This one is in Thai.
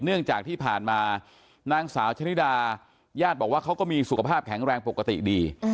เนื่องจากที่ผ่านมานางสาวชนิดาญาติบอกว่าเขาก็มีสุขภาพแข็งแรงปกติดี